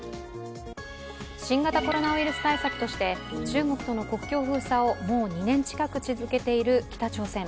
新型コロナウイルス対策として中国の国境封鎖をもう２年近く続けている北朝鮮。